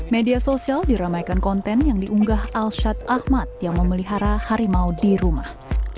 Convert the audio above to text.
media sosial diramaikan konten yang diunggah alshad ahmad yang memelihara harimau di rumah